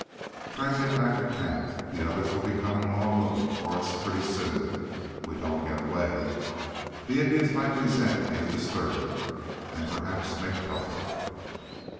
"Try to get back to camp. The others will be coming along looking for us pretty soon, if we don't get away. The Indians might resent being disturbed, and perhaps make trouble."